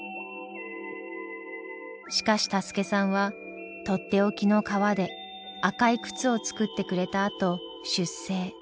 しかしタスケさんはとっておきの革で赤い靴を作ってくれたあと出征。